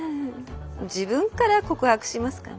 自分から告白しますかね。